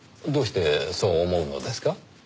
どうしてそう思うのですか？